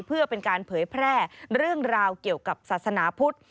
เพื่อเป็นการเผยแพร่เรื่องราวเกี่ยวกับศาสนาพุทธ